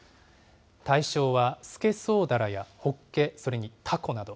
対象はスケソウダラやホッケ、それにタコなど。